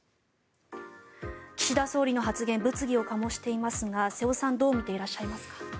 岸田総理の発言物議を醸していますが瀬尾さんどう見ていらっしゃいますか？